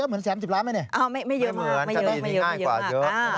ไม่เหมือนขนาดนี้ง่ายกว่าเยอะอ้าวไม่เหมือนคือเยอะมาก